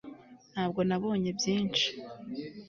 ntabwo nabonye byinshi